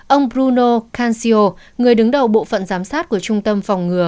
ông bruno kansio người đứng đầu bộ phận giám sát của trung tâm phòng ngừa